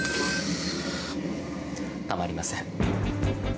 たまりません！